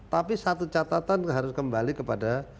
tapi satu catatan harus kembali kepada